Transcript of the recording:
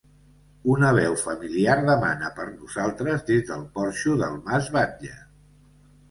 Una veu familiar demana per nosaltres des del porxo del mas Batlle.